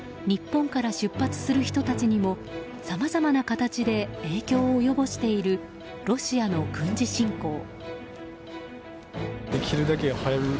日本から出発する人たちにもさまざまな形で影響を及ぼしているロシアの軍事侵攻。